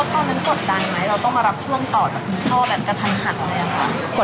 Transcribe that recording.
พี่มดตอนนั้นกดดันไหมเราต้องมารับช่วงต่อจากพี่พ่อแบบกระทันขันเลยหรือเปล่า